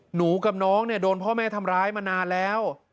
หนูกับน้องเนี่ยโดนพ่อแม่ทำร้ายมานานแล้ว